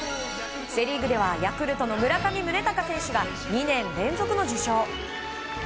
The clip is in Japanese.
セ・リーグではヤクルトの村上宗隆選手が２年連続の受賞。